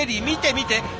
見て見て！